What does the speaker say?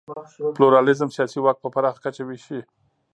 پلورالېزم سیاسي واک په پراخه کچه وېشي.